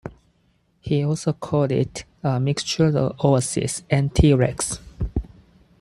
He also called it "A mixture of Oasis and T. Rex".